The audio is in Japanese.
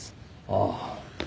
ああ。